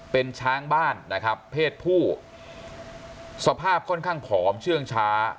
เป็นช้างบ้านนะครับเพศผู้สภาพค่อนข้างผอมเชื่องช้า